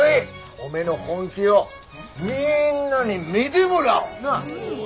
おめえの本気をみんなに見てもらおう。